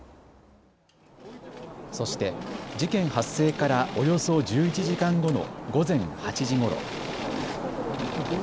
そして事件発生からおよそ１１時間後の午前８時ごろ。